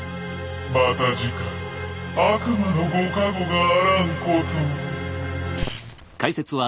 また次回悪魔の御加護があらんことを。